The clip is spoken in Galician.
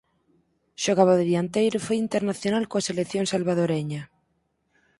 Xogaba de dianteiro e foi internacional coa selección salvadoreña.